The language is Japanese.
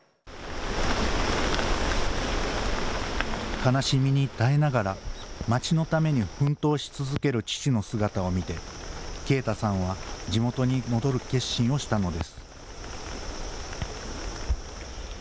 悲しみに耐えながら、町のために奮闘し続ける父の姿を見て、圭太さんは地元に戻る決心をしたのです。